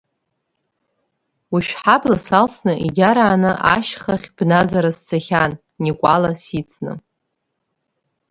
Уи шәҳабла салсны егьарааны ашьхахь бназара сцахьан, Никәала сицны.